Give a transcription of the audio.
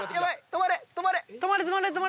止まれ止まれ！